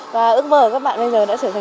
và ước mơ của các bạn bây giờ đã sử dụng